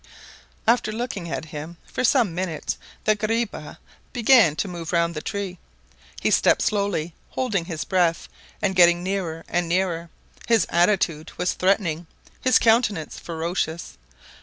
After looking at him for some minutes the guariba began to move round the tree. He stepped slowly, holding his breath, and getting nearer and nearer. His attitude was threatening, his countenance ferocious.